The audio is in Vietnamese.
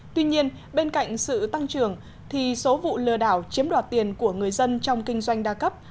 tuy nhiên bên cạnh sự tăng trưởng thì số vụ lừa đảo chiếm đoạt tiền của người dân trong kinh doanh đa cấp